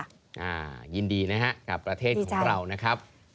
อ่ายินดีนะฮะกับประเทศของเรานะครับ